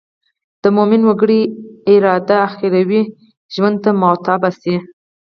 د مومن وګړي اراده اخروي ژوند ته معطوف شي.